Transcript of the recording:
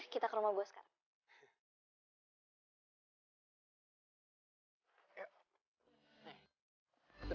kita ke rumah gue sekarang